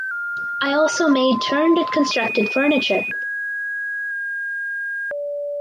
I also made turned and constructed furniture.